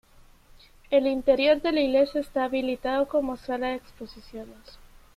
El interior de la iglesia está habilitado como sala de exposiciones.